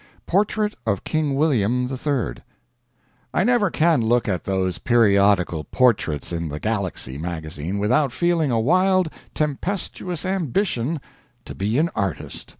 PORTRAIT OF KING WILLIAM III I never can look at those periodical portraits in The Galaxy magazine without feeling a wild, tempestuous ambition to be an artist.